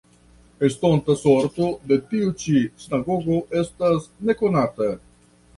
Estonta sorto de tiu ĉi sinagogo estas nekonata.